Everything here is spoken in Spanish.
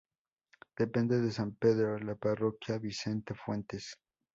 Depende de San Pedro la parroquia Vicente Fuentes.